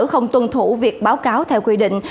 không tuân thủ việc báo cáo theo quy định